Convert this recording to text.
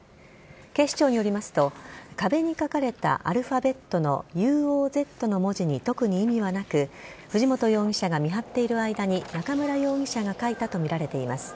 警視庁によりますと壁に書かれたアルファベットのＵＯＺの文字に特に意味はなく藤本容疑者が見張っている間に中村容疑者が書いたとみられています。